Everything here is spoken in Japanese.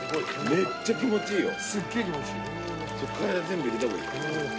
めっちゃ気持ちいいよね。